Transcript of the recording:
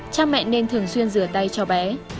cha mẹ nên thường xuyên rửa tay cho bé